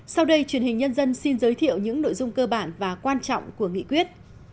sau đây truyền hình nhân dân xin giới thiệu những nội dung cơ bản và quan trọng của nghị quyết